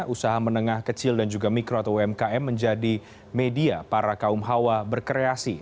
usaha menengah kecil dan juga mikro atau umkm menjadi media para kaum hawa berkreasi